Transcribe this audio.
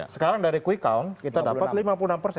sekarang dari quick count kita dapat lima puluh enam persen